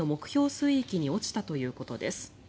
水域に落ちたということです。